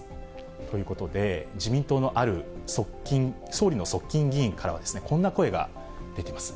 ということで、自民党のある側近、総理の側近議員からは、こんな声が出てます。